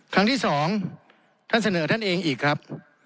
ครั้งที่สองท่านเสนอท่านเองอีกครับ